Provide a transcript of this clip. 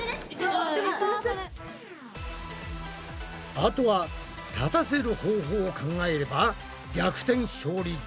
あとは立たせる方法を考えれば逆転勝利できるんじゃない！？